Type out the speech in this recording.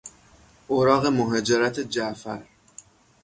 اوراق مهاجرت جعفر